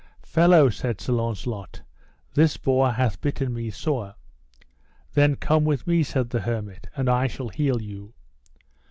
Fellow, said Sir Launcelot, this boar hath bitten me sore. Then come with me, said the hermit, and I shall heal you.